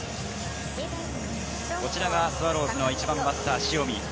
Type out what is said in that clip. こちらがスワローズの１番バッター・塩見。